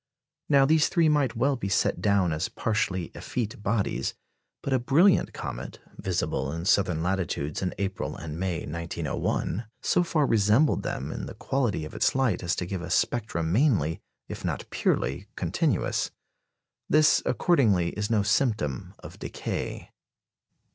Now these three might well be set down as partially effete bodies; but a brilliant comet, visible in southern latitudes in April and May, 1901, so far resembled them in the quality of its light as to give a spectrum mainly, if not purely, continuous. This, accordingly, is no symptom of decay.